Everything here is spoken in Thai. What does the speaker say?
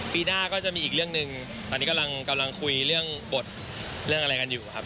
ปีหน้าก็จะมีอีกเรื่องหนึ่งตอนนี้กำลังคุยเรื่องบทเรื่องอะไรกันอยู่ครับ